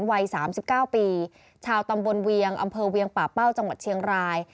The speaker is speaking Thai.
วัย๓๙ปีชาวตำบลเวียงอำเภอเวียงป่าเป้าจังหวัดเชียงราย